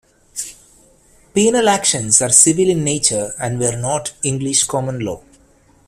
Penal actions are civil in nature and were not English common law.